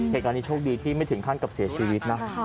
เหตุการณ์นี้โชคดีที่ไม่ถึงขั้นกับเสียชีวิตนะ